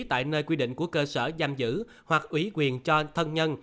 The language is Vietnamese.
tại nơi quy định của cơ sở giam giữ hoặc ủy quyền cho thân nhân